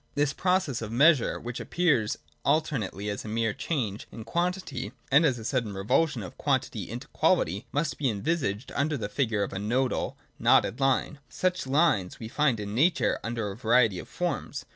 This process of measure, which appears alternately as a mere change in quantity, and then as a sudden revulsion of quantity into quality, maybe envisaged under the figure of a nodal (knotted) line. Such lines we find in Nature under a variety of forms.